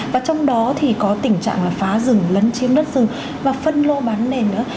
và trong đó thì có tình trạng là phá rừng lấn chiếm đất rừng và phân lô bán nền nữa